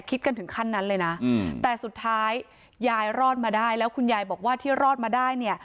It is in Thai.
คิดกันถึงขั้นนั้นเลยนะแต่สุดท้ายยายรอดมาได้แล้วคุณยายบอกว่าที่รอดมาได้เนี่ย